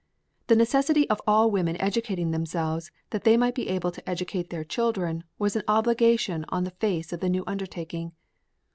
The necessity of all women educating themselves that they might be able to educate their children was an obligation on the face of the new undertaking.